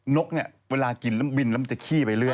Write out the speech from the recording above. นกเนี่ยเวลากินแล้วบินแล้วมันจะขี้ไปเรื่อย